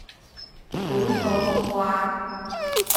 本土木瓜